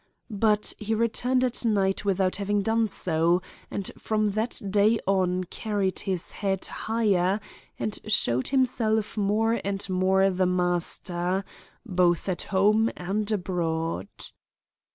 But he returned at night without having done so, and from that day on carried his head higher and showed himself more and more the master, both at home and abroad.